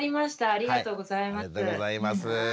ありがとうございます。